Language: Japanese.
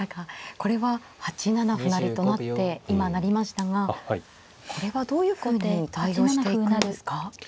これは８七歩成と成って今成りましたがこれはどういうふうに対応していくんですか。